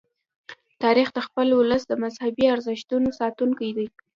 تاریخ د خپل ولس د مذهبي ارزښتونو ساتونکی دی.